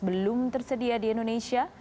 belum tersedia di indonesia